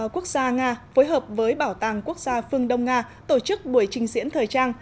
quốc gia nga phối hợp với bảo tàng quốc gia phương đông nga tổ chức buổi trình diễn thời trang